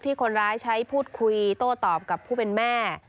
คนร้ายใช้พูดคุยโต้ตอบกับผู้เป็นแม่